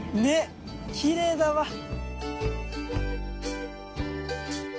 ねっきれいだわ。